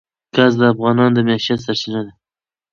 ګاز د افغانانو د معیشت سرچینه ده.